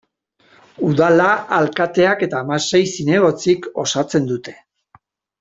Udala alkateak eta hamasei zinegotzik osatzen dute.